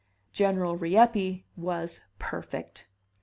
General Rieppe was perfect.